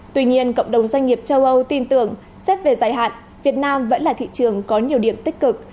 tuy nhiên cộng đồng doanh nghiệp châu âu tin tưởng xét về dài hạn việt nam vẫn là thị trường có nhiều điểm tích cực